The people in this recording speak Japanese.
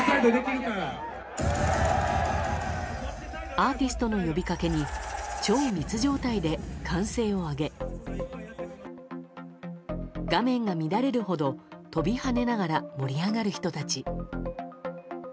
アーティストの呼びかけに超密状態で歓声を上げ画面が乱れるほど飛び跳ねながら盛り上がる人たち。